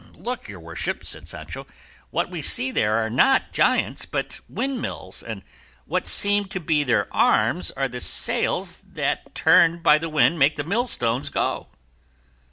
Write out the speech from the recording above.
"Look, your worship," said Sancho; "what we see there are not giants but windmills, and what seem to be their arms are the sails that turned by the wind make the millstone go."